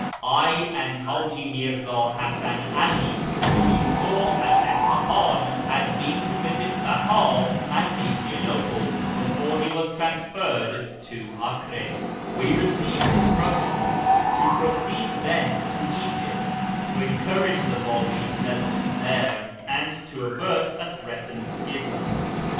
I and Haji Mirza Hasan 'Ali, whom you saw at Isfahan, had been to visit Beha at Adrianople before he was transferred to Acre. We received instructions to proceed thence to Egypt to encourage the Babis resident there, and to avert a threatened schism.